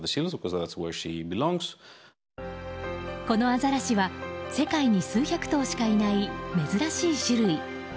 このアザラシは世界に数百頭しかいない珍しい種類。